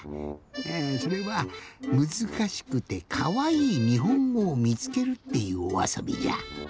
えそれは「むずかしくてかわいいにほんごをみつける」っていうおあそびじゃ。